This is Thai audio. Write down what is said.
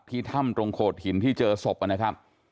ถ้ำตรงโขดหินที่เจอศพนะครับ